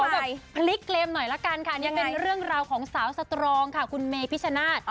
นี่เป็นเรื่องราวของสาวสตรองค่ะกุณเมย์พิชานาศ